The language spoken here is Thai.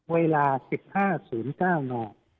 เวลา๑๕๐๙น